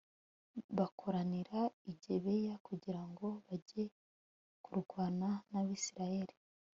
bakoranira i gibeya kugira ngo bajye kurwana n'abayisraheli